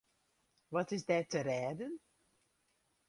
Wat is der te rêden?